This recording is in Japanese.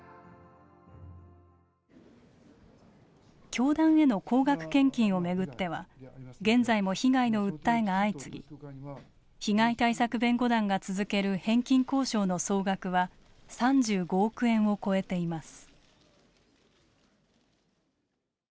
教団への高額献金をめぐっては現在も被害の訴えが相次ぎ被害対策弁護団が続ける返金交渉の総額は３５億円を超えています。